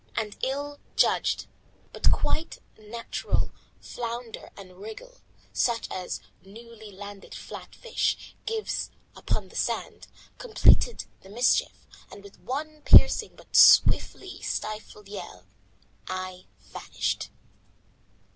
An ill judged but quite natural flounder and wriggle, such as a newly landed flat fish gives upon the sand, completed the mischief, and with one piercing but swiftly stifled yell, I vanished.